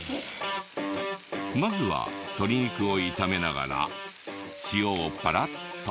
まずは鶏肉を炒めながら塩をパラッと。